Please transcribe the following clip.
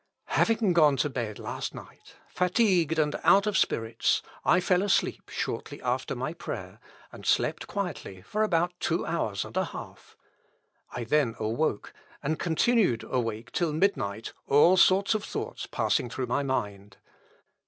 _ "Having gone to bed last night, fatigued and out of spirits, I fell asleep shortly after my prayer, and slept quietly for about two hours and a half; I then awoke, and continued awake till midnight, all sorts of thoughts passing through my mind.